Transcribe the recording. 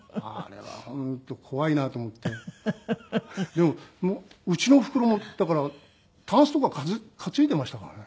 でもうちのおふくろもだからたんすとか担いでましたからね。